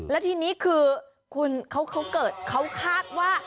และทีนี้คือคุณเขาเกิดเขาคาดว่า